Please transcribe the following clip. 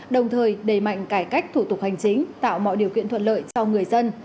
đồng thời đầy mạnh cải cách thủ tục hành chính tạo mọi điều kiện thuận lợi cho người dân